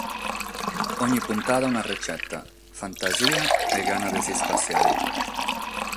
Onni puntada una retzeta, fantasia e gana de s'ispassiare.